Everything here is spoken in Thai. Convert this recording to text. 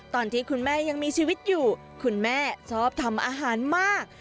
ตอนที่คุณแม่ยังมีชีวิตอยู่คุณแม่ชอบทำอาหารมาก